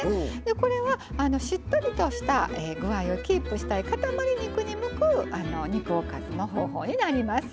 これはしっとりとした具合をキープしたい塊肉に向く肉おかずの方法になります。